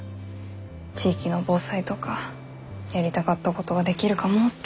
地域の防災とかやりたかったことができるかもって。